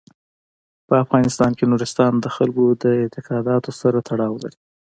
په افغانستان کې نورستان د خلکو د اعتقاداتو سره تړاو لري.